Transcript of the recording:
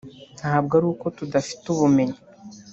ntabwo ari uko tudafite ubumenyi